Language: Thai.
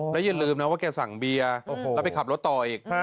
แล้วอย่าลืมนะว่าแกสั่งเบียร์แล้วไปขับรถต่ออีก